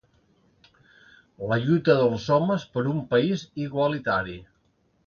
La lluita dels homes per un país igualitari.